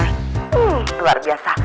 hmm luar biasa